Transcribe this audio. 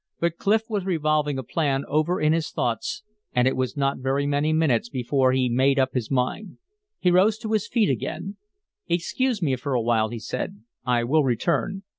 But Clif was revolving a plan over in his thoughts, and it was not very many minutes before he made up his mind. He rose to his feet again. "Excuse me for a while," he said. "I will return."